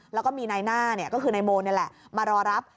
แล้วก็มีนายหน้าก็คือนายโมนี่แหละมารอรับ